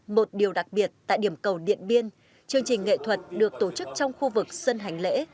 một điều đặc biệt tại điểm cầu điện biên chương trình nghệ thuật được tổ chức trong khu vực sân hành lễ